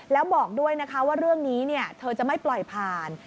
แล้วบอกด้วยนะคะว่าเรื่องนี้เธอจะไม่ปล่อยผ่าน